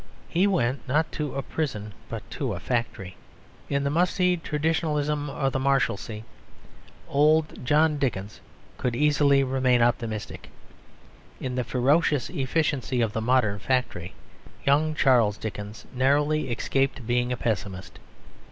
He went not to a prison but to a factory. In the musty traditionalism of the Marshalsea old John Dickens could easily remain optimistic. In the ferocious efficiency of the modern factory young Charles Dickens narrowly escaped being a pessimist.